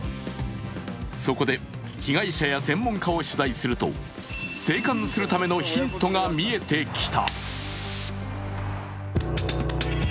そこで、被害者や専門家を取材すると生還するためのヒントが見えてきた。